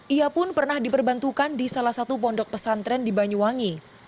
ia pun pernah diperbantukan di salah satu pondok pesantren di banyuwangi